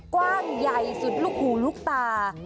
กว้างใหญ่สุดลูกหูลูกตา